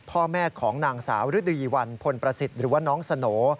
พ่อแม่ของนางสาวฤดีวันพลประสิทธิ์หรือว่าน้องสโหน่